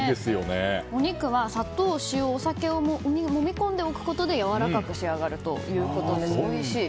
お肉は砂糖、塩、お酒をもみ込んでおくことでやわらかく仕上がるということでおいしい。